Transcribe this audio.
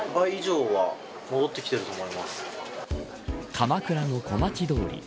鎌倉の小町通り。